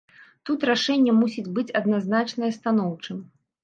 Тут рашэнне мусіць быць адназначнае станоўчым.